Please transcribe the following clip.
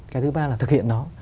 cái thứ ba là thực hiện nó